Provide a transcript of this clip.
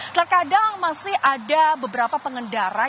terkadang masih ada beberapa pengendara